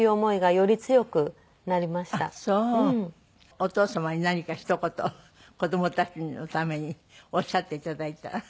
お父様に何かひと言子供たちのためにおっしゃって頂いたら？